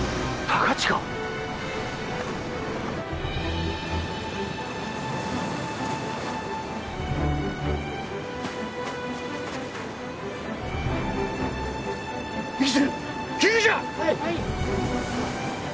はい！